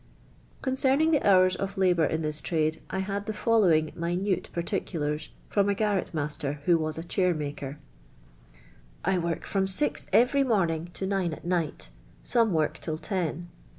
(.'oncerning the hours of labour in this trade, I had the following minute partii ulais from a giirret inaster wIid was a chair maker: —•• 1 woik from mx every morning to nine at night ; »niu*. work till ten.